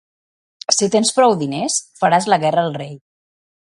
Si tens prou diners, faràs la guerra al rei.